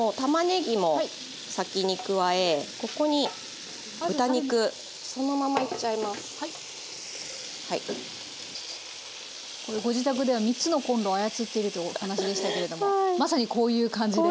これご自宅では３つのコンロを操っているというお話でしたけれどもまさにこういう感じで。